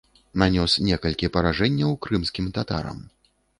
Нанёс некалькі паражэнняў крымскім татарам.